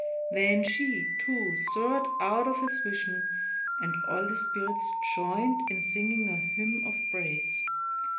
Then she, too, soared out of his vision, and all the spirits joined in singing a hymn of praise.